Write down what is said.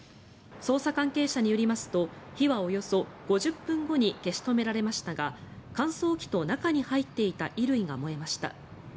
捜査関係者によりますと火はおよそ５０分後に消し止められましたが乾燥機と中に入っていた衣類が燃えました。